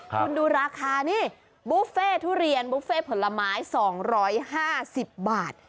คุณดูราคานี่บุฟเฟ่ทุเรียนบุฟเฟ่ผลไม้๒๕๐บาท